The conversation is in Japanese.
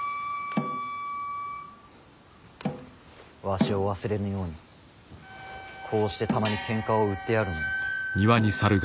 わしを忘れぬようにこうしてたまにケンカを売ってやるのよ。